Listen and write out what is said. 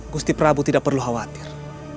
gusti prabu tidak perlu khawatir